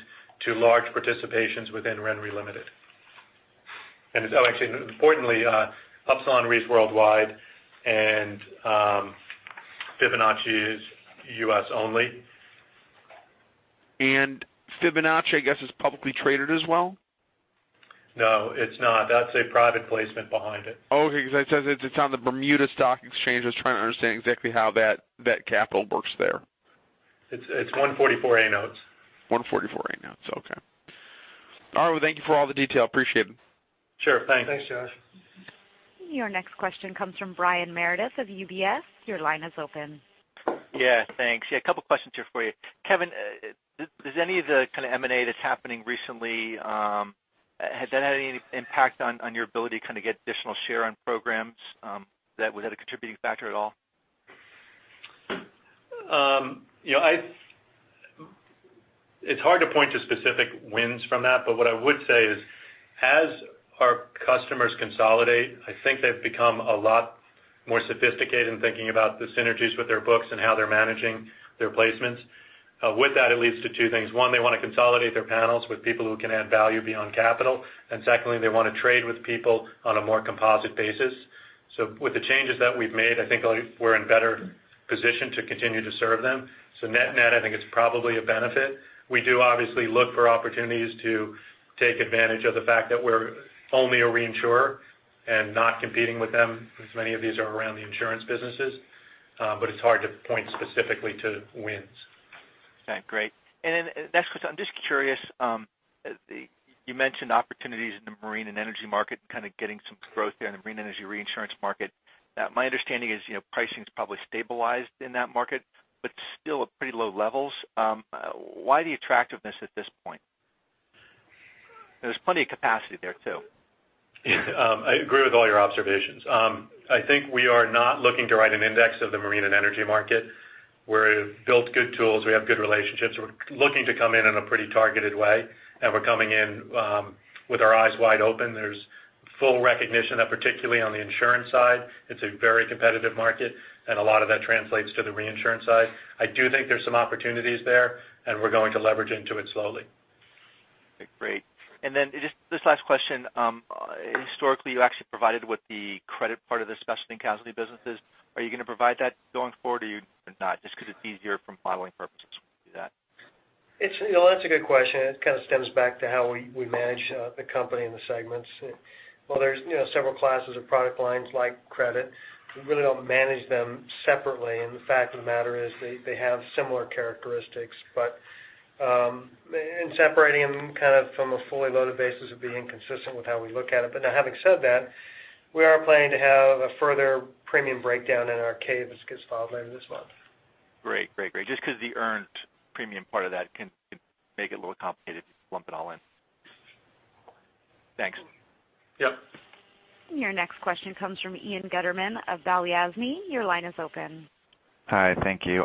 to large participations within RenRe Limited. Actually, importantly, Upsilon Re is worldwide and Fibonacci is U.S. only. Fibonacci, I guess, is publicly traded as well? No, it's not. That's a private placement behind it. Okay, because it says it's on the Bermuda Stock Exchange. I was trying to understand exactly how that capital works there. It's 144A notes. 144A notes. Okay. All right. Well, thank you for all the detail. Appreciate it. Sure. Thanks. Thanks, Josh. Your next question comes from Brian Meredith of UBS. Your line is open. Thanks. A couple questions here for you. Kevin, does any of the kind of M&A that's happening recently, has that had any impact on your ability to kind of get additional share on programs, that was it a contributing factor at all? It's hard to point to specific wins from that, what I would say is, as our customers consolidate, I think they've become a lot more sophisticated in thinking about the synergies with their books and how they're managing their placements. With that, it leads to two things. One, they want to consolidate their panels with people who can add value beyond capital. Secondly, they want to trade with people on a more composite basis. With the changes that we've made, I think we're in better position to continue to serve them. Net-net, I think it's probably a benefit. We do obviously look for opportunities to take advantage of the fact that we're only a reinsurer and not competing with them, because many of these are around the insurance businesses. It's hard to point specifically to wins. Okay, great. Next question, I'm just curious, you mentioned opportunities in the marine and energy market, kind of getting some growth there in the marine energy reinsurance market. My understanding is pricing's probably stabilized in that market, but still at pretty low levels. Why the attractiveness at this point? There's plenty of capacity there, too. I agree with all your observations. I think we are not looking to write an index of the marine and energy market. We're built good tools. We have good relationships. We're looking to come in in a pretty targeted way, and we're coming in with our eyes wide open. There's full recognition that particularly on the insurance side, it's a very competitive market and a lot of that translates to the reinsurance side. I do think there's some opportunities there and we're going to leverage into it slowly. Okay, great. Just this last question. Historically, you actually provided what the credit part of the specialty casualty business is. Are you going to provide that going forward, or you would not just because it's easier from modeling purposes to do that? That's a good question, it kind of stems back to how we manage the company and the segments. While there's several classes of product lines like credit, we really don't manage them separately, the fact of the matter is they have similar characteristics. In separating them kind of from a fully loaded basis would be inconsistent with how we look at it. Now having said that, we are planning to have a further premium breakdown in our K that gets filed later this month. Great. Just because the earned premium part of that can make it a little complicated, just lump it all in. Thanks. Yep. Your next question comes from Ian Gutterman of Balyasny. Your line is open. Hi. Thank you.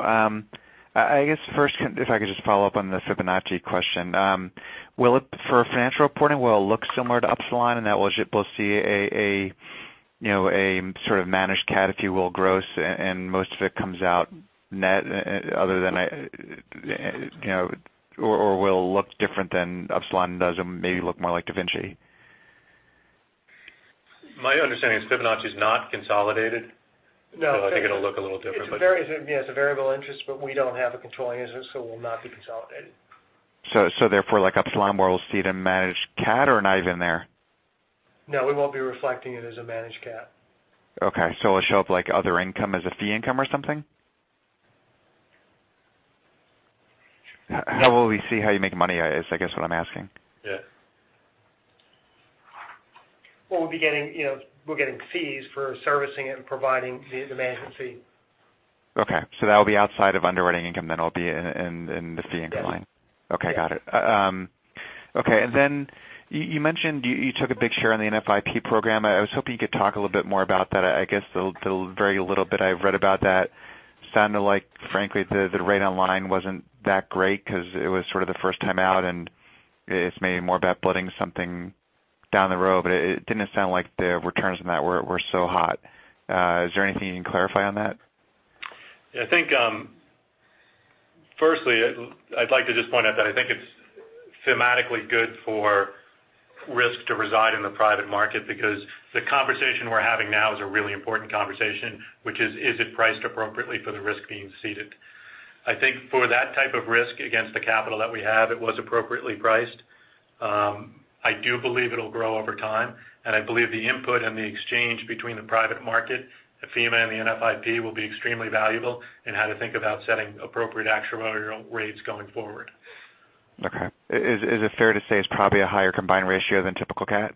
I guess first, if I could just follow up on the Fibonacci question. For financial reporting, will it look similar to Upsilon in that we'll see a sort of managed cat, if you will, gross and most of it comes out net other than I or will it look different than Upsilon does and maybe look more like DaVinci? My understanding is Fibonacci is not consolidated. No. I think it'll look a little different. It's a variable interest, but we don't have a controlling interest, so we'll not be consolidated. Therefore, like Upsilon, where we'll see the managed cat or not even there? No, we won't be reflecting it as a managed cat. Okay, it'll show up like other income as a fee income or something? How will we see how you make money, I guess, is what I'm asking. Yeah. Well, we'll be getting fees for servicing it and providing the management fee. Okay, that'll be outside of underwriting income, then it'll be in this fee income line. Yeah. Okay, got it. Okay, you mentioned you took a big share in the NFIP program. I was hoping you could talk a little bit more about that. I guess the very little bit I've read about that sounded like, frankly, the rate on line wasn't that great because it was sort of the first time out and it's maybe more about putting something down the road, but it didn't sound like the returns on that were so hot. Is there anything you can clarify on that? I think, firstly, I'd like to just point out that I think it's thematically good for risk to reside in the private market because the conversation we're having now is a really important conversation, which is: Is it priced appropriately for the risk being ceded? I think for that type of risk against the capital that we have, it was appropriately priced. I do believe it'll grow over time, and I believe the input and the exchange between the private market, the FEMA, and the NFIP will be extremely valuable in how to think about setting appropriate actuarial rates going forward. Okay. Is it fair to say it's probably a higher combined ratio than typical cat?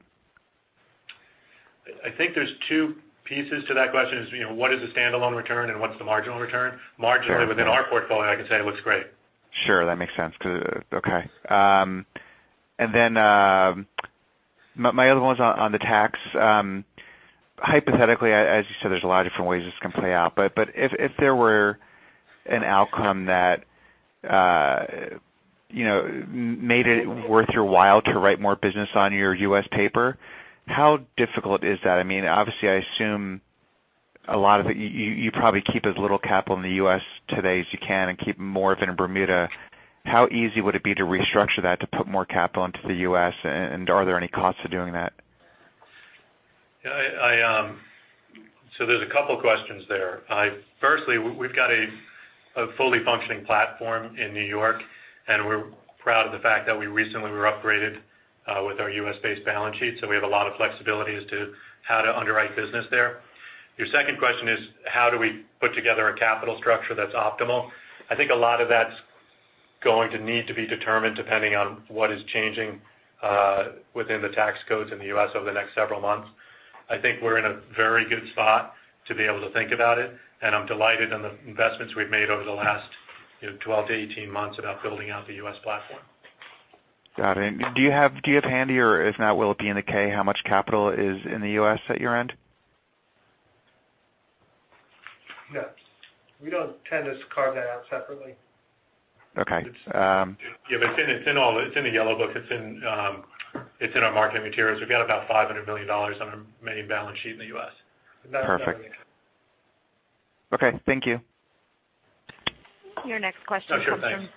I think there's two pieces to that question, is what is the standalone return and what's the marginal return? Marginally within our portfolio, I can say it looks great. Sure, that makes sense. Okay. Then my other one's on the tax. Hypothetically, as you said, there's a lot of different ways this can play out, but if there were an outcome that made it worth your while to write more business on your U.S. paper, how difficult is that? I mean, obviously, I assume you probably keep as little capital in the U.S. today as you can and keep more of it in Bermuda. How easy would it be to restructure that to put more capital into the U.S., and are there any costs to doing that? There's a couple questions there. Firstly, we've got a fully functioning platform in New York, and we're proud of the fact that we recently were upgraded with our U.S.-based balance sheet. We have a lot of flexibility as to how to underwrite business there. Your second question is how do we put together a capital structure that's optimal? I think a lot of that's going to need to be determined depending on what is changing within the tax codes in the U.S. over the next several months. I think we're in a very good spot to be able to think about it, and I'm delighted on the investments we've made over the last 12 to 18 months about building out the U.S. platform. Got it. Do you have handy or if not will it be in an 8-K how much capital is in the U.S. at your end? No. We don't tend to carve that out separately. Okay. It's in the Yellow Book. It's in our marketing materials. We've got about $500 million on our main balance sheet in the U.S. Perfect. Okay. Thank you. Your next question comes from- Sure, thanks.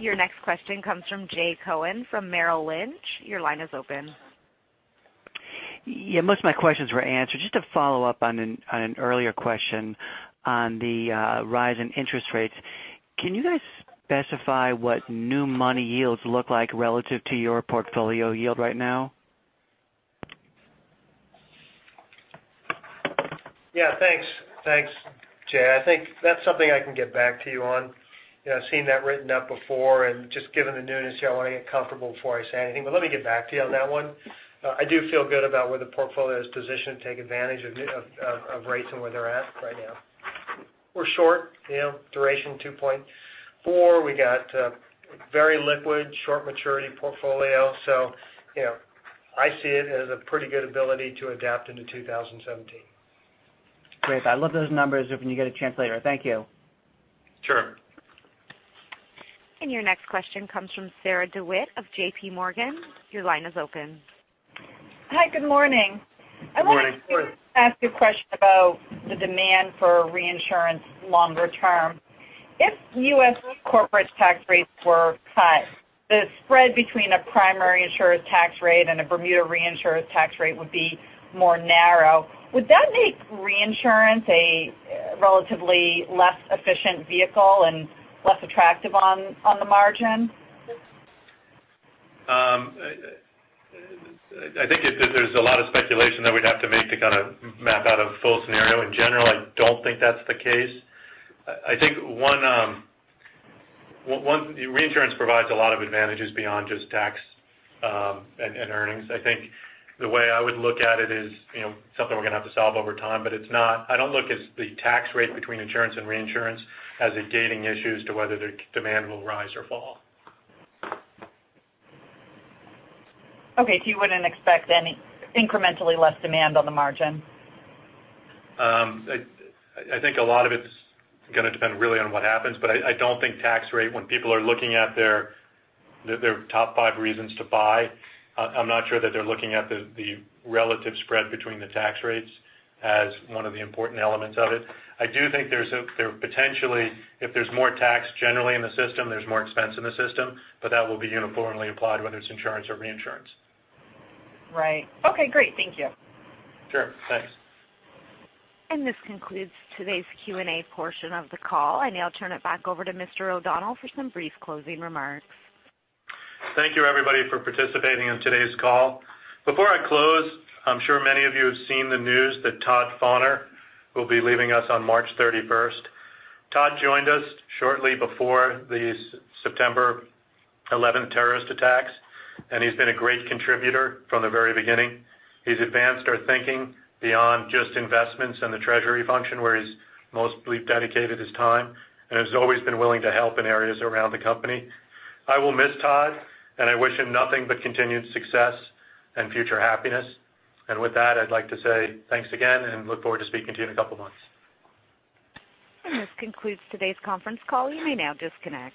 Your next question comes from Jay Cohen from Merrill Lynch. Your line is open. Yeah, most of my questions were answered. Just to follow up on an earlier question on the rise in interest rates, can you guys specify what new money yields look like relative to your portfolio yield right now? Yeah, thanks. Thanks, Jay. I think that's something I can get back to you on. I've seen that written up before, and just given the newness, I want to get comfortable before I say anything. Let me get back to you on that one. I do feel good about where the portfolio is positioned to take advantage of rates and where they're at right now. We're short duration 2.4. We got very liquid, short maturity portfolio. I see it as a pretty good ability to adapt into 2017. Great. I'd love those numbers when you get a chance later. Thank you. Sure. Your next question comes from Sarah DeWitt of J.P. Morgan. Your line is open. Hi, good morning. Good morning. I wanted to ask a question about the demand for reinsurance longer term. If U.S. corporate tax rates were cut, the spread between a primary insurer's tax rate and a Bermuda reinsurer's tax rate would be more narrow. Would that make reinsurance a relatively less efficient vehicle and less attractive on the margin? I think there's a lot of speculation that we'd have to make to kind of map out a full scenario. In general, I don't think that's the case. I think reinsurance provides a lot of advantages beyond just tax and earnings. I think the way I would look at it is, something we're going to have to solve over time, but I don't look at the tax rate between insurance and reinsurance as a gating issue as to whether the demand will rise or fall. Okay. You wouldn't expect any incrementally less demand on the margin? I think a lot of it's going to depend really on what happens, but I don't think tax rate, when people are looking at their top five reasons to buy, I'm not sure that they're looking at the relative spread between the tax rates as one of the important elements of it. I do think there potentially, if there's more tax generally in the system, there's more expense in the system, but that will be uniformly applied, whether it's insurance or reinsurance. Right. Okay, great. Thank you. Sure. Thanks. This concludes today's Q&A portion of the call. I now turn it back over to Mr. O'Donnell for some brief closing remarks. Thank you, everybody, for participating in today's call. Before I close, I'm sure many of you have seen the news that Todd Fonner will be leaving us on March 31st. Todd joined us shortly before the September 11th terrorist attacks. He's been a great contributor from the very beginning. He's advanced our thinking beyond just investments in the treasury function, where he's mostly dedicated his time and has always been willing to help in areas around the company. I will miss Todd, and I wish him nothing but continued success and future happiness. With that, I'd like to say thanks again and look forward to speaking to you in a couple of months. This concludes today's conference call. You may now disconnect.